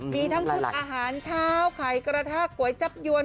มีทั้งชุดอาหารเช้าไข่กระทากก๋วยจับยวน